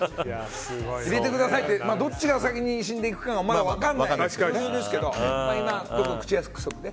入れてくださいってどっちが先に死んでいくかまだ分からないのでね。